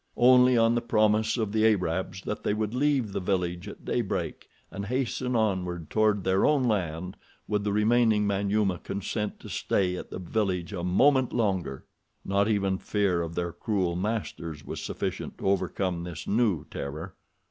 Only on the promise of the Arabs that they would leave the village at daybreak, and hasten onward toward their own land, would the remaining Manyuema consent to stay at the village a moment longer. Not even fear of their cruel masters was sufficient to overcome this new terror.